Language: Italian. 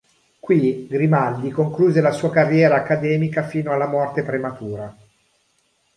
Qui, Grimaldi concluse la sua carriera accademica fino alla morte prematura.